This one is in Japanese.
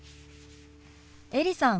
エリさん